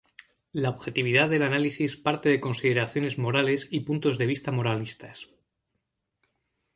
La objetividad del análisis parte de consideraciones morales y puntos de vista moralistas.